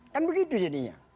kan begitu jadinya